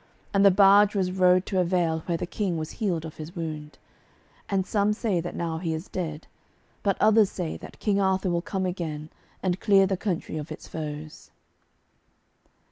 And the barge was rowed to a vale where the King was healed of his wound. And some say that now he is dead, but others say that King Arthur will come again, and clear the country of its foes.